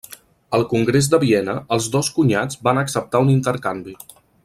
Al Congrés de Viena, els dos cunyats van acceptar un intercanvi.